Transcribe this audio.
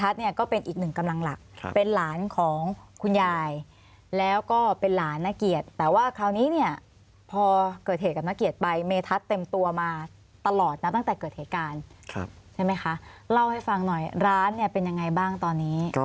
อันดับนี้เนี่ยก็เป็นอีกหนึ่งกำลังหลักเป็นหลานของคุณยายแล้วก็เป็นหลานนักเกียรติแต่ว่าคราวนี้เนี่ยพอเกิดเหตุกับนักเกียรติไปเมทัศน์เต็มตัวมาตลอดนะตั้งแต่เกิดเหตุการณ์ใช่ไหมคะเล่าให้ฟังหน่อยร้านเนี่ยเป็นยังไงบ้างตอนนี้